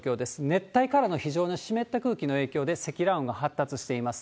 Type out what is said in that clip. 熱帯からの非常な湿った空気の影響で、積乱雲が発達しています。